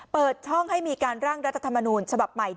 เปิดช่องให้มีการร่างรัฐธรรมนูญฉบับใหม่